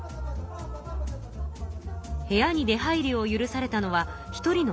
部屋に出はいりを許されたのは１人の男性だけ。